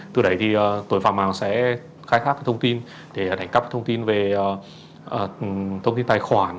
từ đấy thì tội phạm hàng sẽ khai thác thông tin để đảnh cấp thông tin về thông tin tài khoản